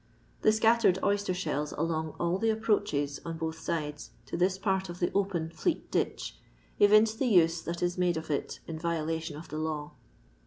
The scattered oyster shells along all the approaches, on both sides, to this part of the open Fleet ditch, evince the um that is made of it in violation of the law.